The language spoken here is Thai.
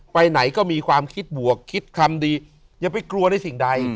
ไปไหนก็มีความคิดบวกคิดคำดีอย่าไปกลัวในสิ่งใด